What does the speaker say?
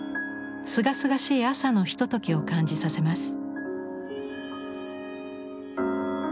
すがすがしい朝のひとときを感じさせます。